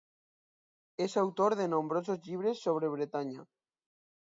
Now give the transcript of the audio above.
És autor de nombrosos llibres sobre Bretanya.